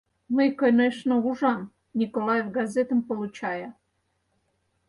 Мый, конешне, ужам: Николаев газетым получая.